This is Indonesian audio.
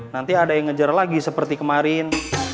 nanti ada yang ngejar lagi seperti kemarin